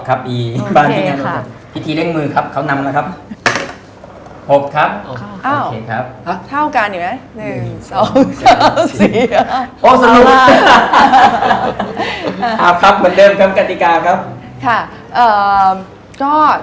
ครับเหมือนเดิมครับกฎิกาครับ